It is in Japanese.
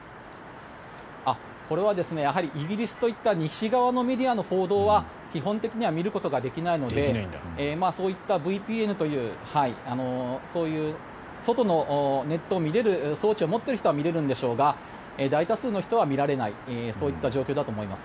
これはイギリスといった西側のメディアの報道は基本的には見ることができないのでＶＰＮというそういう外のネットを見れる装置を持っている人は見れるんでしょうが大多数の人は見られないそういった状況だと思います。